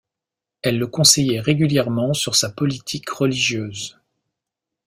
Elle le conseillait régulièrement sur sa politique religieuse.